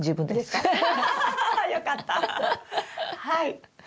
はい。